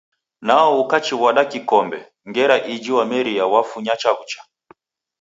Nao ukachiw'ada kikombe, ngera iji w'ameria wafunya chawucha.